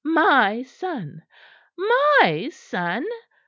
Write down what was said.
"My son? My son?"